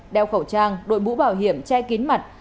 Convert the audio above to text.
đeo khẩu trang đội mũ bảo hiểm che kín mặt